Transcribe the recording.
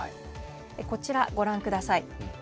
こちら、ご覧ください。